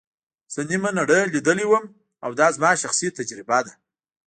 زه نیمه نړۍ لیدلې وم او دا زما شخصي تجربه ده.